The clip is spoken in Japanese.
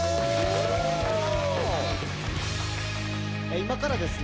今からですね